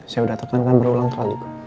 saya sudah tekankan berulang kali